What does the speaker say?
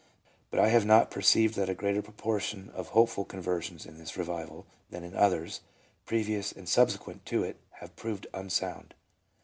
But I have not perceived that a greater proportion of hopeful conversions in this Revival than in others, previous and subsequent to it, have proved unsound.